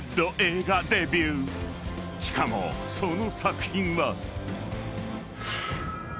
［しかもその作品は］